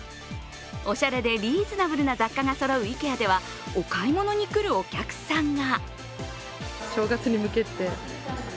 おしゃれでリーズナブルな雑貨がそろうＩＫＥＡではお買い物に来るお客さんが。